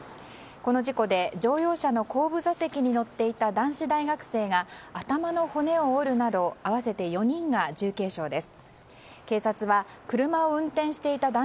この事故で乗用車の後部座席に乗っていた男子大学生が頭の骨を折るなど合わせて４人が重軽傷です。